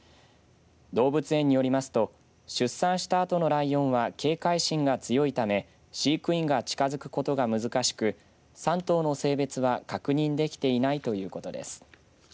動物園によりますと出産したあとのライオンは警戒心が強いため飼育員が近づくことが難しく３頭の性別は確認できていないということです。